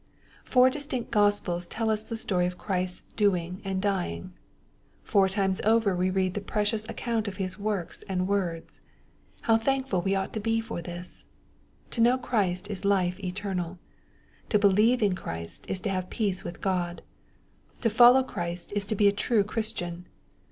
Four distinct Gospels tell us the story of Christ's doing and dying. Four times over we read the precious account of His works and words. How thankful we ought to be for this 1 To know Christ is life eternal To believe in Christ is to have peace with God. To follow Christ is to be a true Christian.